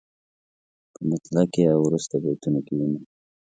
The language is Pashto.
په مطلع کې او وروسته بیتونو کې وینو.